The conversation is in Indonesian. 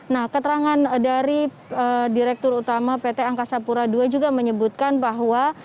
nah keterangan dari direktur utama pt angkasa pura ii juga menyebutkan bahwa